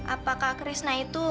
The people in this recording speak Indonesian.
apakah krishna itu